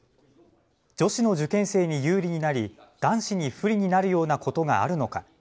女子の受験生に有利になり、男子に不利になるようなことがあるのか。